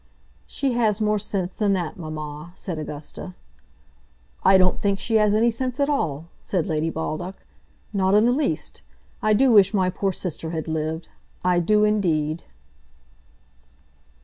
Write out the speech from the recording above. "She has more sense than that, mamma," said Augusta. "I don't think she has any sense at all," said Lady Baldock; "not in the least. I do wish my poor sister had lived; I do indeed."